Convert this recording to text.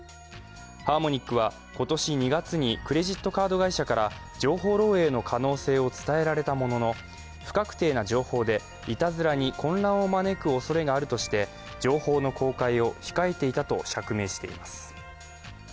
ハーモニックは今年２月にクレジットカード会社から情報漏えいの可能性を伝えられたものの、不確定な情報でいたずらに混乱を招くおそれがあるとして情報の公開を控えていたと釈明しています。